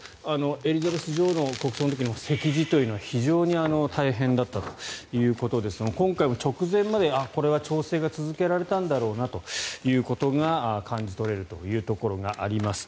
エリザベス女王の国葬の時も席次というのは非常に大変だったということですが今回も直前までこれは調整が続けられたんだろうなということが感じ取れるというところがあります。